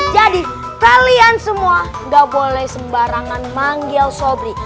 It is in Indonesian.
jadi kalian semua nggak boleh sembarangan manggil sobri